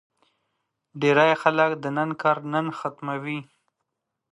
ډېری خلک د نن کار نن ختموي.